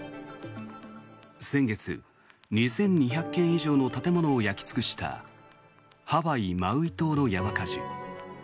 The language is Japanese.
先月、２２００軒以上の建物を焼き尽くしたハワイ・マウイ島の山火事。